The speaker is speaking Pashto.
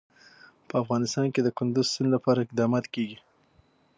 په افغانستان کې د کندز سیند لپاره اقدامات کېږي.